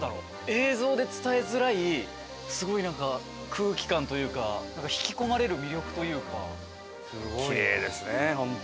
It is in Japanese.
映像で伝えづらいすごいなんか空気感というか引き込まれる魅力というか。